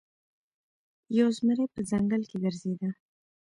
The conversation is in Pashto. یو زمری په ځنګل کې ګرځیده.